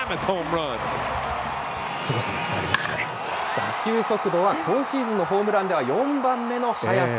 打球速度は今シーズンのホームランでは４番目の速さ。